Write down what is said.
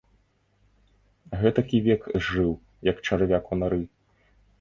Гэтак і век зжыў, як чарвяк у нары.